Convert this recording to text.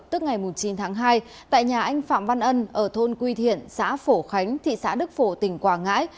tức ngày chín tháng hai tại nhà anh phạm văn ân ở thôn quy thiện xã phổ khánh thị xã đức phổ tỉnh quảng ngãi